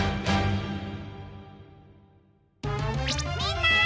みんな！